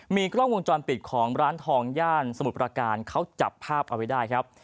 มีกล้องวงจรปิดของร้านทองย่านสมุทรประการเขาจับภาพเอาไว้ได้ครับ